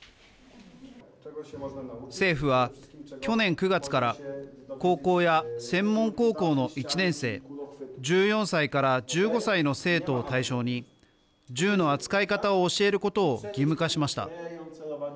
政府は、去年９月から高校や専門高校の１年生１４歳から１５歳の生徒を対象に銃の扱い方を教えることを義務化しました。